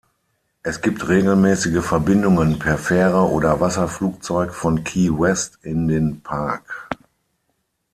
Es gibt regelmäßige Verbindungen per Fähre oder Wasserflugzeug von Key West in den Park.